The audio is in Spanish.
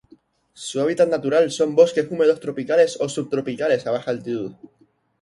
Su hábitat natural son bosques húmedos tropicales o subtropicales a baja altitud.